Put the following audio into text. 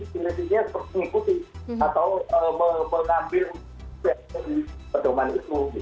revisinya seperti mengikuti atau mengambil dari pedoman itu